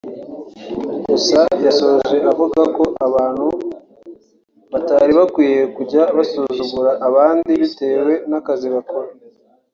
Gusa yasoje avuga ko abantu batari bakwiye kujya basuzugura abandi bitewe n’akazi bakora